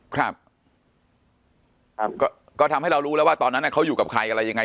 ครับครับก็ทำให้เรารู้แล้วว่าตอนนั้นเขาอยู่กับใครอะไรยังไง